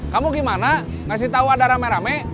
kamu gimana ngasih tau ada rame rame